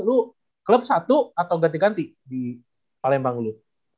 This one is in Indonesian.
lu klub satu atau ganti ganti di palembang lu